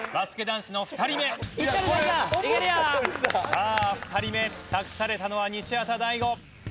さあ２人目託されたのは西畑大吾。